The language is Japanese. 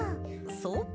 そっか。